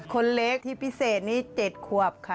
คนเล็กที่พิเศษนี้๗ขวบค่ะ